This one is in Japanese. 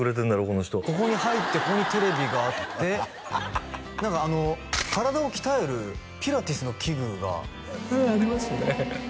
この人ここに入ってここにテレビがあって何か体を鍛えるピラティスの器具がありますね